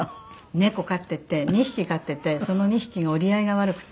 猫飼ってて２匹飼っててその２匹が折り合いが悪くて。